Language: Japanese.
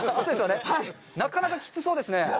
なかなか、きつそうですね。